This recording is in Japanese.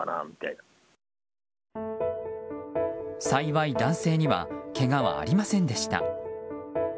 幸い、男性にはけがはありませんでした。